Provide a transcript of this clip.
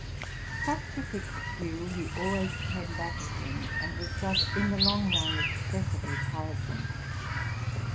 To such a fixed view he al ways came back again, and was thus in the long run exces sively tiresome.